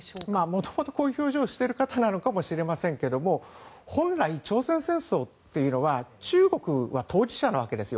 元々こういう表情をしている方なのかもしれませんが本来、朝鮮戦争というのは中国は当事者のわけです。